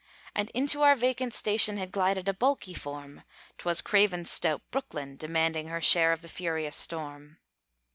And into our vacant station Had glided a bulky form; 'Twas Craven's stout Brooklyn, demanding Her share of the furious storm.